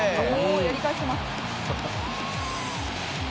「やり返してます」